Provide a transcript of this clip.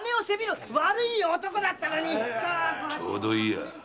ちょうどいいや。